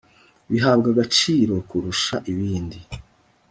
bihabwa agaciro kurusha ibindi